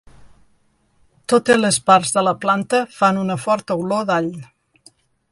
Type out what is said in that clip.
Totes les parts de la planta fan una forta olor d'all.